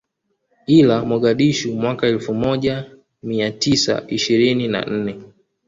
Ila Mogadishu mwaka wa elfu moja mia tisa ishirini na nne